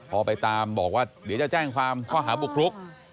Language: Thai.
พอไปตามบอกว่าเดี๋ยวจะแจ้งความข้อหาบุกรุก